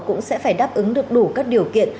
cũng sẽ phải đáp ứng được đủ các điều kiện